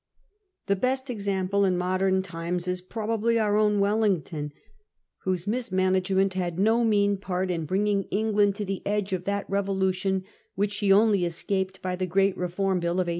The best example in modern times is pro bably our own Wellington, whose mismanagement had no THE MILITAKY POLITICIAN 235 mean part in bringing England to the edge of that revolu tion which she only escaped by the great Eeform Bill of 1832.